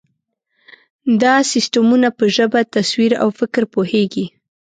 دا سیسټمونه په ژبه، تصویر، او فکر پوهېږي.